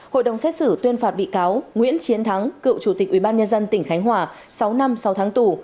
hội đồng xét xử tuyên phạt bị cáo nguyễn chiến thắng cựu chủ tịch ủy ban nhân dân tỉnh khánh hòa sáu năm sáu tháng tù